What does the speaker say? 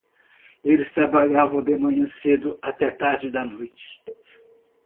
Eles trabalhavam de manhã cedo até tarde da noite.